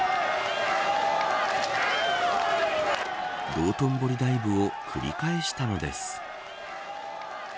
道頓堀ダイブを繰り返したのです。